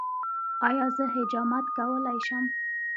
ایا زه حجامت کولی شم؟